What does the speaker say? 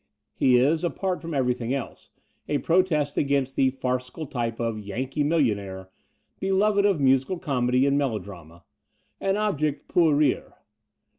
He is, apart from everything else, a protest against the farcical type of "yankee millionaire" beloved of musical comedy and melo drama — an object pour rire.